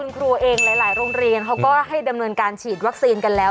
คุณครูเองหลายโรงเรียนเขาก็ให้ดำเนินการฉีดวัคซีนกันแล้ว